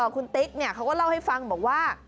คุณติ๊กเขาก็เล่าให้ฟังบอกว่า